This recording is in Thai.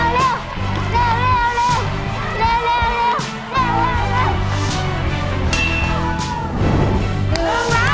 เร็ว